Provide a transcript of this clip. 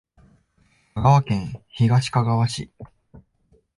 香川県東かがわ市